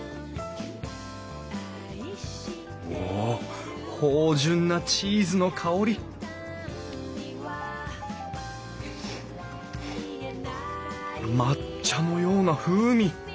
お芳じゅんなチーズの香り抹茶のような風味。